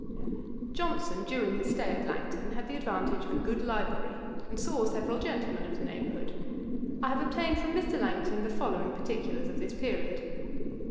Johnson, during his stay at Langton, had the advantage of a good library, and saw several gentlemen of the neighbourhood. I have obtained from Mr. Langton the following particulars of this period.